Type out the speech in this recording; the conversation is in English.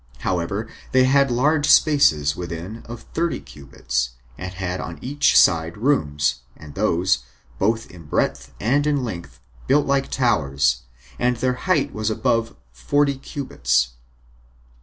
However, they had large spaces within of thirty cubits, and had on each side rooms, and those, both in breadth and in length, built like towers, and their height was above forty cubits.